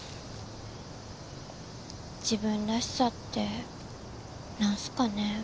自分らしさってなんすかね。